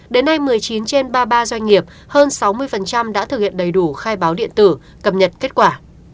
đến nay một mươi chín trên ba mươi ba doanh nghiệp hơn sáu mươi đã thực hiện đầy đủ khai báo điện tử cập nhật kết quả